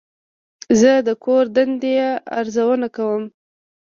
زه د کور دندې ارزونه کوم.